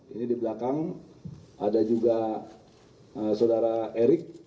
ini di belakang ada juga saudara erik